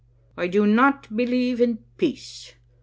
I do not believe in peace.